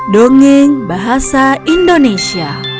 dongeng bahasa indonesia